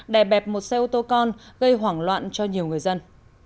đè bẹp một xe ô tô con gây hoảng loạn cho nhiều người dân